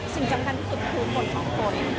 สิ่งจำนั้นคือคือคนของคน